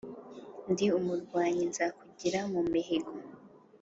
Ndi umurwanyi nzakugira mu mihigo.